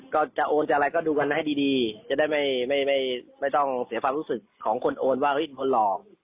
ก็จะโอนจะอะไรก็ดูกันให้ดีจะได้ไม่ต้องเสียความรู้สึกของคนโอนว่าเป็นคนหลอก